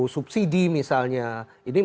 subsidi misalnya ini